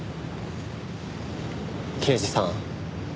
刑事さん